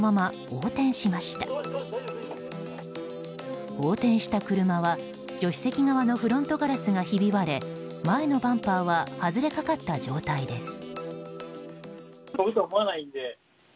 横転した車は助手席側のフロントガラスがひび割れ前のバンパーは外れかかった状態です。